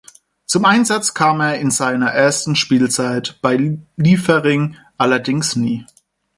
Zum Einsatz kam er in seiner ersten Spielzeit bei Liefering allerdings nie.